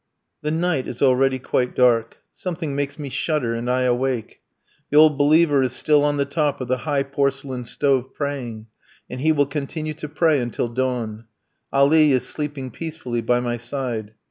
The night is already quite dark. Something makes me shudder, and I awake. The "old believer" is still on the top of the high porcelain stove praying, and he will continue to pray until dawn. Ali is sleeping peacefully by my side.